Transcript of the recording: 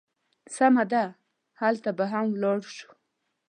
سمه ده، هلته به هم ولاړ شو.